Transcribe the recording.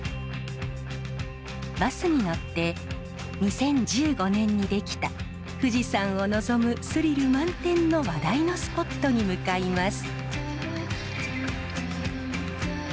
バスに乗って２０１５年に出来た富士山を臨むスリル満点の話題のスポットに向かいます。